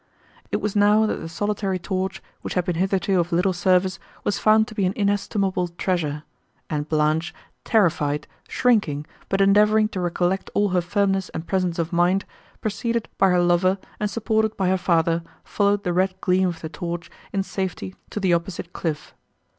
It was now, that the solitary torch, which had been hitherto of little service, was found to be an inestimable treasure; and Blanche, terrified, shrinking, but endeavouring to recollect all her firmness and presence of mind, preceded by her lover and supported by her father, followed the red gleam of the torch, in safety, to the opposite cliff.